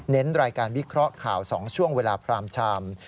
รายการวิเคราะห์ข่าว๒ช่วงเวลาพรามชาม